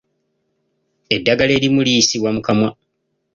Eddagala erimu liyisibwa mu kamwa.